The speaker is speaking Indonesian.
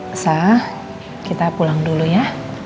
asah kita pulang dulu ya